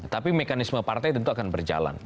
tapi mekanisme partai tentu akan berjalan